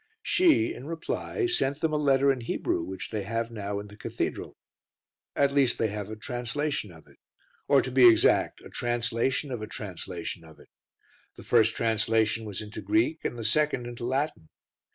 She, in reply, sent them a letter in Hebrew which they have now in the cathedral. At least they have a translation of it. Or, to be exact, a translation of a translation of it. The first translation was into Greek and the second into Latin.